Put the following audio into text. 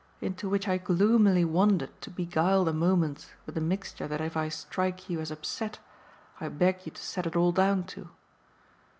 into which I gloomily wandered to beguile the moments with a mixture that if I strike you as upset I beg you to set it all down to.